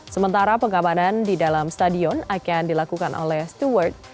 sementara pengamanan di dalam stadion akan dilakukan oleh steward